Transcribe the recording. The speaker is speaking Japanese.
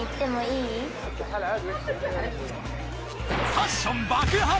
［パッション爆発！